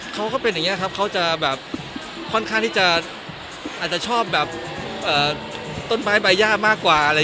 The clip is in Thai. เขาก็เป็นอย่างนี้นะครับเขาจะค่อนข้างที่จะชอบต้นไม้ใบหญ้ามากกว่า